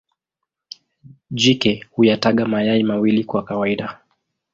Jike huyataga mayai mawili kwa kawaida.